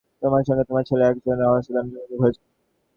আশ্চর্যজনক হলেও সত্যি যে তোমার সঙ্গে তোমার ছেলের একধরণের যোগাযোগ হয়েছে।